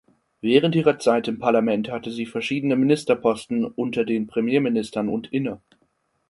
Während ihrer Zeit im Parlament hatte sie verschiedene Ministerposten unter den Premierministern und inne.